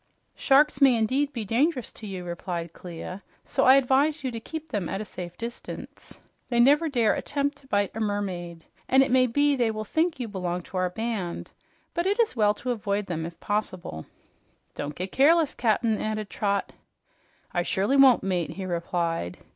"Sharks may indeed be dangerous to you," replied Clia, "so I advise you to keep them at a safe distance. They never dare attempt to bite a mermaid, and it may be they will think you belong to our band; but it is well to avoid them if possible." "Don't get careless, Cap'n," added Trot. "I surely won't, mate," he replied.